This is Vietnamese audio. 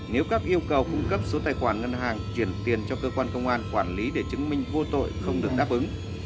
nếu các yêu cầu cung cấp số tài khoản ngân hàng chuyển tiền cho cơ quan công an quản lý để chứng minh vô tội không được đáp ứng